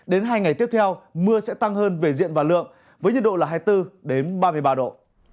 đến hai ngày tiếp theo mưa sẽ tăng hơn về diện và lượng với nhiệt độ là hai mươi bốn ba mươi ba độ